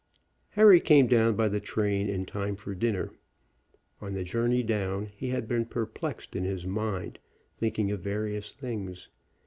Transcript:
Harry came down by the train in time for dinner. On the journey down he had been perplexed in his mind, thinking of various things.